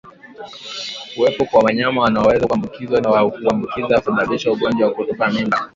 Kuwepo kwa wanyama wanaoweza kuambukizwa na kuambukiza husababisha ugonjwa wa kutupa mimba